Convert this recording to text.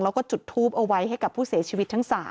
แล้วก็จุดทูปเอาไว้ให้กับผู้เสียชีวิตทั้ง๓